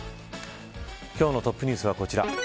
今日のトップニュースはこちら